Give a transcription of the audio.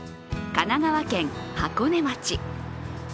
神奈川県箱根町。